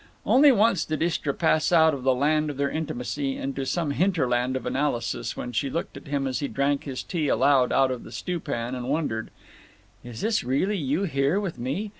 Only once did Istra pass out of the land of their intimacy into some hinterland of analysis—when she looked at him as he drank his tea aloud out of the stew pan, and wondered: "Is this really you here with me?